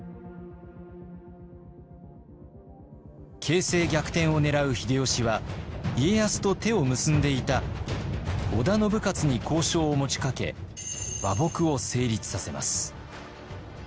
形勢逆転を狙う秀吉は家康と手を結んでいた織田信雄に交渉を持ちかけ和睦を成立させます。